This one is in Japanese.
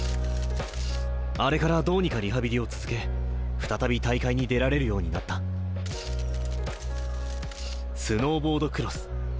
あれからどうにかリハビリを続け再び大会に出られるようになったスノーボードクロス。